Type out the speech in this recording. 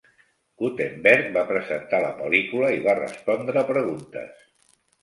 Guttemberg va presentar la pel·lícula i va respondre preguntes.